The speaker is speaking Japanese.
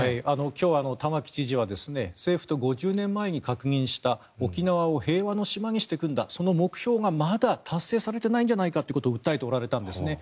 今日は玉城知事は政府と５０年前に確認した沖縄を平和の島にしていくんだその目標がまだ達成されていないんじゃないかということを訴えておられたんですね。